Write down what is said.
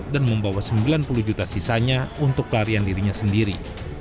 dan membawa sembilan puluh juta sisanya untuk pelarian dirinya sendiri